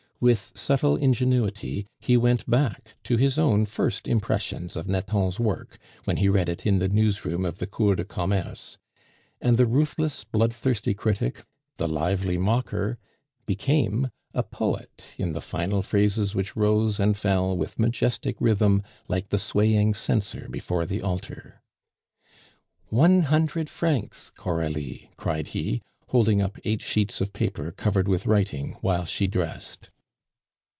With subtle ingenuity, he went back to his own first impressions of Nathan's work, when he read it in the newsroom of the Cour du Commerce; and the ruthless, bloodthirsty critic, the lively mocker, became a poet in the final phrases which rose and fell with majestic rhythm like the swaying censer before the altar. "One hundred francs, Coralie!" cried he, holding up eight sheets of paper covered with writing while she dressed.